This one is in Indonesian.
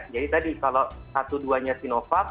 jadi tadi kalau satu duanya sinovac